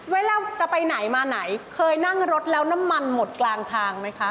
เวลาจะไปไหนมาไหนเคยนั่งรถแล้วน้ำมันหมดกลางทางไหมคะ